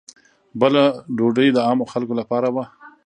بله ډوډۍ د عامو خلکو لپاره وه.